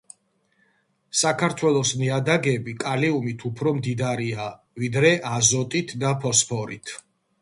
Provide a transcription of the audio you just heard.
საქართველოს ნიადაგები კალიუმით უფრო მდიდარია ვიდრე აზოტით და ფოსფორით.